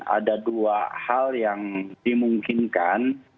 ada dua hal yang dimungkinkan